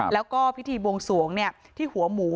แล้วก็พิธีบวงสวงที่หัวหมู